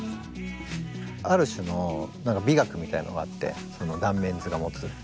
ある種のなんか美学みたいのがあってその断面図が持つ。